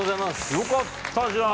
よかったじゃん